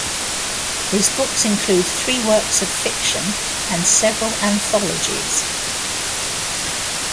His books include three works of fiction and several anthologies.